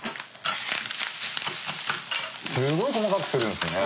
すごい細かくするんですね。